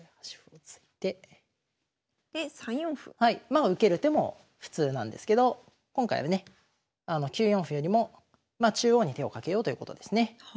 まあ受ける手も普通なんですけど今回はね９四歩よりも中央に手をかけようということですね。